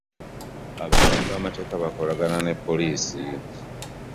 abamenyi b'amateeka bakolagana ne poliisi.